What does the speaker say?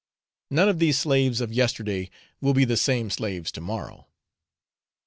None of these slaves of yesterday will be the same slaves to morrow.